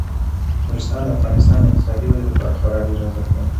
نورستان د افغانستان د اقتصادي ودې لپاره خورا ډیر ارزښت لري.